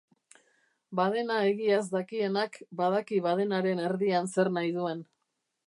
Badena egiaz dakienak, badaki badenaren erdian zer nahi duen.